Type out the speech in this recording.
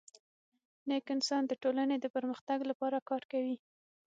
نیک انسان د ټولني د پرمختګ لپاره کار کوي.